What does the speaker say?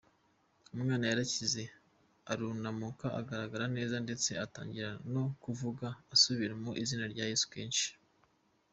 Umwana yarakize, arunamuka, ahagarara neza ndetse atangira no kuvuga, asubiramo izina Yesu kenshi.